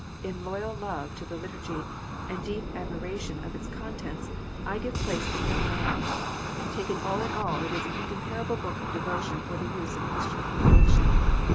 In loyal love to the Liturgy, and deep admiration of its contents, I give place to no man. Taken for all in all, it is an incomparable book of devotion for the use of a Christian congregation.